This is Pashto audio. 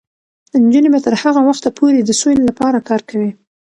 نجونې به تر هغه وخته پورې د سولې لپاره کار کوي.